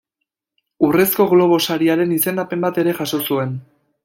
Urrezko Globo Sariaren izendapen bat ere jaso zuen.